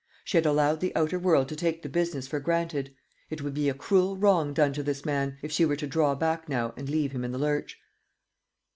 She had allowed the outer world to take the business for granted. It would be a cruel wrong done to this man, if she were to draw back now and leave him in the lurch.